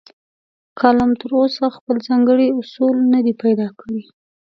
کالم تراوسه خپل ځانګړي اصول نه دي پیدا کړي.